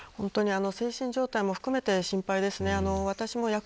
精神状態も含めて心配ですね。